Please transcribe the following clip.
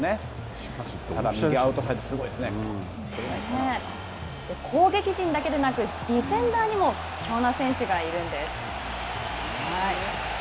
しかし、右アウトサイド、攻撃陣だけでなく、ディフェンダーにも屈強な選手がいるんです。